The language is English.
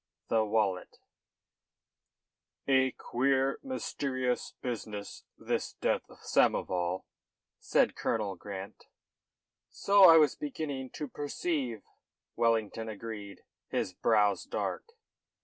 THE WALLET "A queer, mysterious business this death of Samoval," said Colonel Grant. "So I was beginning to perceive," Wellington agreed, his brow dark.